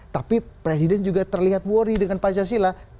tapi presiden juga terlihat worry dengan pancasila